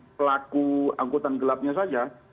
pelaku angkutan gelapnya saja